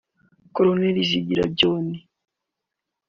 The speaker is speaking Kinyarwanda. Col Zigira John